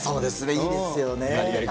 いいですよね。